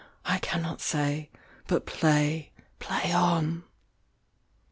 I cannot say. But play, play on.